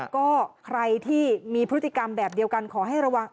ก็ใครที่มีพฤติกรรมแบบเดียวกันขอให้ระวัง